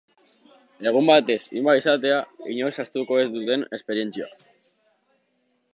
Egun batez himba izatea, inoiz ahaztuko ez duten esperientzia.